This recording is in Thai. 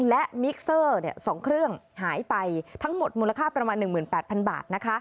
และมิกเซอร์๒เครื่องหายไปทั้งหมดมูลค่าประมาณ๑๘๐๐๐บาท